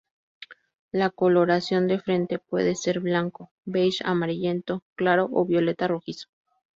La coloración de frente puede ser blanco, beige amarillento claro o violeta rojizo.